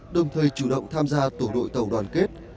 đồng thời chủ động tham gia tổ đội tàu đoàn kết